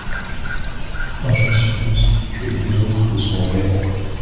Je suppose que les deux autres le sont également.